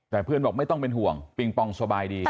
แต่เพื่อนบอกไม่ต้องเป็นห่วงปิงปองสบายดี